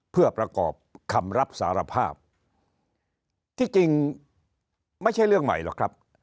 เพื่อประกอบคำรับสารภาพที่จริงไม่ใช่เรื่องใหม่หรอกครับ